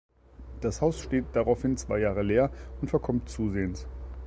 Das Haus steht daraufhin zwei Jahre leer und verkommt zusehends.